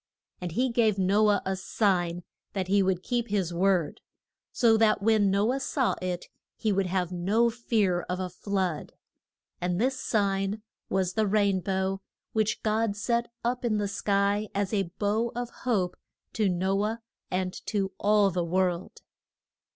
And he gave No ah a sign that he would keep his word, so that when No ah saw it he would have no fear of a flood. And this sign was the rain bow, which God set up in the sky as a bow of hope to No ah and to all the world.